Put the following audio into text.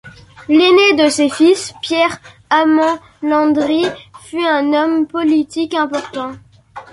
L’aîné de ses fils, Pierre-Amand Landry, fut un homme politique important.